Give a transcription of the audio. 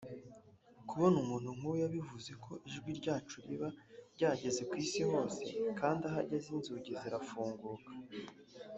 Kubona umuntu nk’uyu bivuze ko ijwi ryacu riba ryageze ku Isi hose kandi aho ageze inzugi zarafunguka